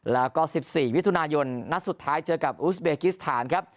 แล้วก็๑๔มิถุนายนนัดสุดท้ายเจอกับอุสเบกิสถานครับ